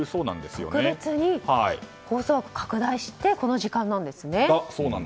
特別に放送枠を拡大してこの時間なんですね。